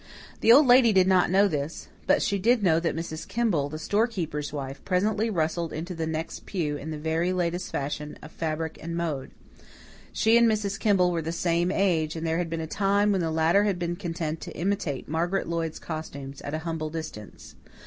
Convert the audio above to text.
The Old Lady did not know this. But she did know that Mrs. Kimball, the storekeeper's wife, presently rustled into the next pew in the very latest fashion of fabric and mode; she and Mrs. Kimball were the same age, and there had been a time when the latter had been content to imitate Margaret Lloyd's costumes at a humble distance.